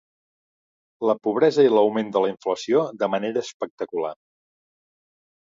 La pobresa i l'augment de la inflació de manera espectacular.